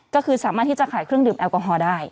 ก็คือสามารถที่จะขายเครื่องดื่มแอลกอฮอล์ได้